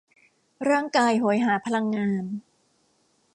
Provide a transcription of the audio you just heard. ร่างกายโหยหาพลังงาน